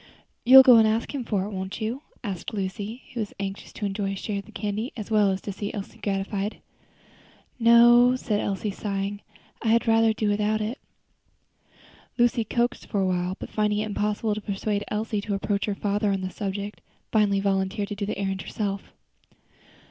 "You'll go and ask him for it, won't you?" asked Lucy, who was anxious to enjoy a share of the candy as well as to see Elsie gratified. "No," said Elsie, sighing, "I had rather do without it." Lucy coaxed for a little while, but finding it impossible to persuade Elsie to approach her father on the subject, finally volunteered to do the errand herself.